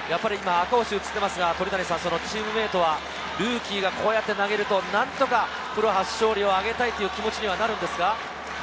赤星が映っていますが、チームメートはルーキーがこうやって投げると、何とかプロ初勝利あげたいという気持ちにはなるんですか？